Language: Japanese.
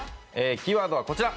キーワードはこちら。